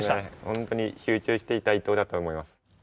本当に集中していた１投だと思います。